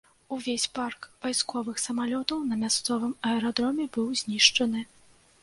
Увесь парк вайсковых самалётаў на мясцовым аэрадроме быў знішчаны.